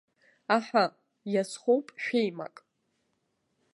Аҳы, иазхоуп шәеимак!